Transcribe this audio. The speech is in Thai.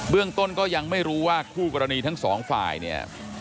เรื่องต้นก็ยังไม่รู้ว่าคู่กรณีทั้งสองฝ่ายเนี่ย